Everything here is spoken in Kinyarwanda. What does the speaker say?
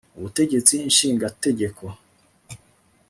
ubutegetsi nshingategeko